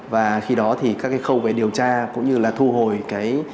và khi đó thì các cái khâu về điều tra cũng như là thu hồi cái